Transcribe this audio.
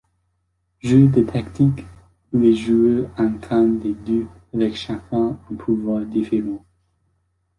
Jeu de tactique où les joueurs incarnent des dieux avec chacun un pouvoir différent.